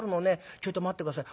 ちょいと待って下さい。